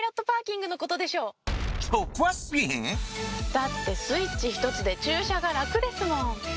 だってスイッチひとつで駐車が楽ですもん。